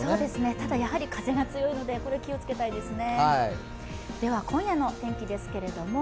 ただ、やはり風が強いので、気をつけたいですね。